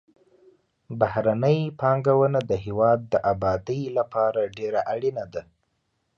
بهرنۍ پانګونه د هېواد د آبادۍ لپاره ډېره اړینه ده.